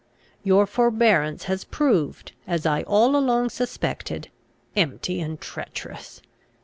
Your forbearance has proved, as I all along suspected, empty and treacherous.